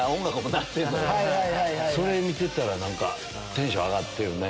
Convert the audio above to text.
それ見てたらテンション上がってるね。